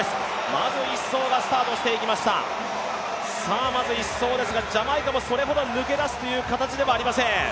まず１走がスタートしていきましたジャマイカもそれほど抜け出すという形ではありません。